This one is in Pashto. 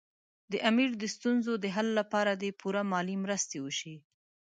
د امیر د ستونزو د حل لپاره دې پوره مالي مرستې وشي.